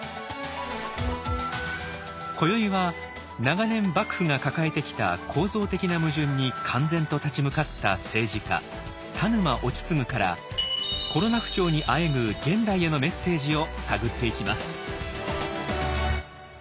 今宵は長年幕府が抱えてきた構造的な矛盾に敢然と立ち向かった政治家田沼意次からコロナ不況にあえぐ現代へのメッセージを探っていきます。